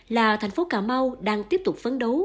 là thành phố cà mau đang tiếp tục phấn đấu